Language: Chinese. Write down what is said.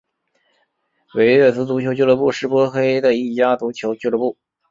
维列兹足球俱乐部是波黑的一家足球俱乐部。